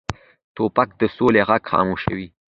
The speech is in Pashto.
توپک د سولې غږ خاموشوي.